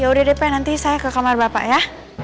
ya udah dp nanti saya ke kamar bapak ya